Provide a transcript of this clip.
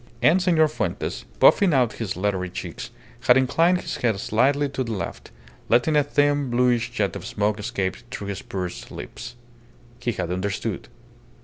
And Senor Fuentes, puffing out his leathery cheeks, had inclined his head slightly to the left, letting a thin, bluish jet of smoke escape through his pursed lips. He had understood.